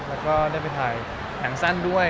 แล้วก็ได้ไปถ่ายหนังสั้นด้วย